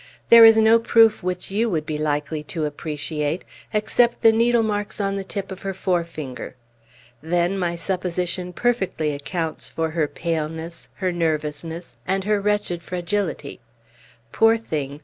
"There is no proof which you would be likely to appreciate, except the needle marks on the tip of her forefinger. Then, my supposition perfectly accounts for her paleness, her nervousness, and her wretched fragility. Poor thing!